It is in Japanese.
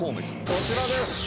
こちらです。